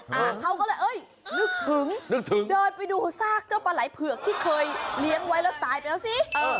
เขาก็เลยเอ้ยนึกถึงเดินไปดูซากเจ้าปลายเผือกที่เคยเลี้ยงไว้แล้วตายไปแล้วสิ